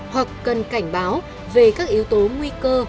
hoặc cần cảnh báo về các yếu tố nguy cơ